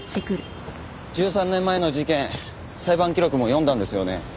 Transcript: １３年前の事件裁判記録も読んだんですよね？